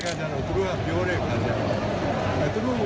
อาจจะอยู่ทางด้านในครัว